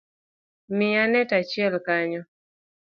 Miya net achiel kanyo